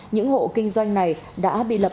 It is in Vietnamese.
những hộ kinh doanh này đã bị lập